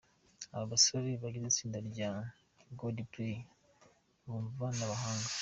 Aba basore bagize itsinda rya Coldplay bumvwa n'abahanga.